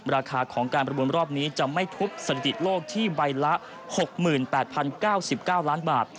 ราคาของการประมูลรอบนี้จะไม่ทุบสถิติโลกที่ใบละ๖๘๐๙๙ล้านบาท